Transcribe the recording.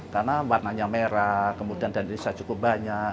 karena warnanya merah kemudian danirisa cukup banyak